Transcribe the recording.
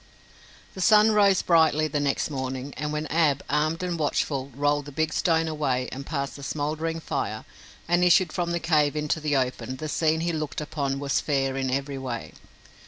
The sun rose brightly the next morning and when Ab, armed and watchful, rolled the big stone away and passed the smoldering fire and issued from the cave into the open, the scene he looked upon was fair in every way.